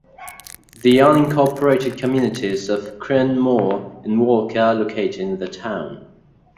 The unincorporated communities of Cranmoor and Walker are located in the town.